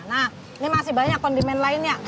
nah ini masih banyak kondimen lainnya